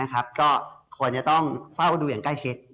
ก็ควรจะต้องเฝ้าดูอย่างใกล้ชิด